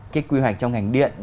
cái quy hoạch trong ngành điện